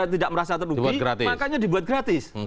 tidak merasa terugi makanya dibuat gratis